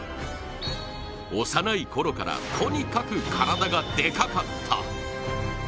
幼いころから、とにかく体がでかかった。